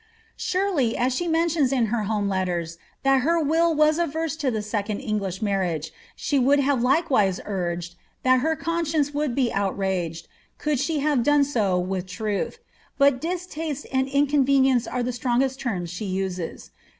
Surely, as she mentions in her home letters that her will wai averse to the second English marriage, she would have likewise ni^gedi tliat her conscience would be outraged, could she have done so with truth ; but distaste and inconvenience are the strongest terms she uses.